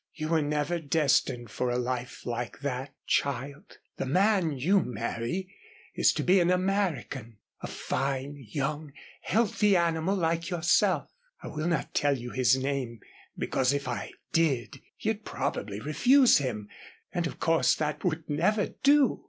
"You were never destined for a life like that, child. The man you marry is to be an American, a fine, young, healthy animal like yourself. I will not tell you his name because if I did, you'd probably refuse him, and of course that would never do.